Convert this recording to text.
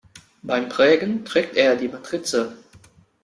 Beim Prägen trägt er die Matrize.